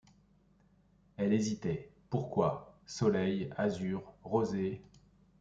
Elle hésitait. Pourquoi ? Soleil, azur, rosées